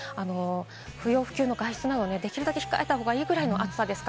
不要不急の外出などをできるだけ控えた方がいいくらいの暑さです。